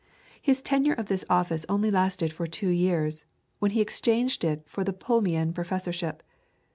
His tenure of this office only lasted for two years, when he exchanged it for the Plumian Professorship.